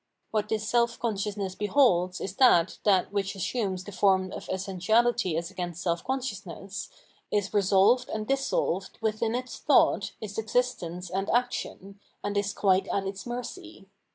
What this self consciousness beholds is that that, which assumes the form of essentiality as against self consciousness, is resolved and dissolved within its thought, its existence and action, and is quite at its mercy.